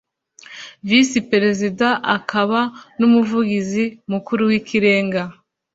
Visi perezida akaba n umuvugizi mukuru w’ingabo